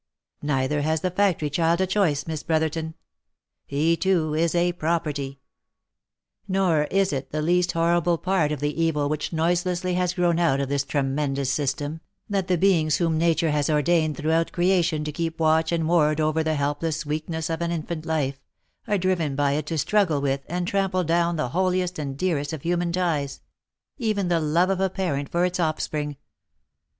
" Neither has the factory child a choice, Miss Brotherton. He too is a property, nor is it the least horrible part of the evil which noise lessly has grown out of this tremendous system, that the beings whom nature has ordained throughout creation to keep watch and ward over the helpless weakness of infant life, are driven by it to struggle with, and trample down the holiest and dearest of human ties — even the love of a parent for its offspring.